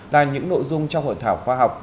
là những nội dung trong hội thảo khoa học